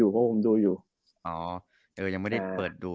เพราะว่าผมดูอยู่